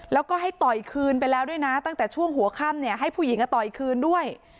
แล้วก็ให้ต่อยคืนไปแล้วด้วยนะตั้งแต่ช่วงหัวค่ำให้ผู้หญิงต่อยคืนด้วย